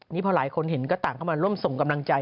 นี่พอหลายคนเห็นก็ต่างเข้ามาร่วมส่งกำลังใจ